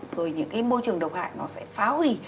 rồi những cái môi trường độc hại nó sẽ phá hủy